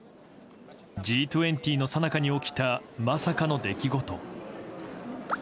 Ｇ２０のさなかに起きたまさかの出来事。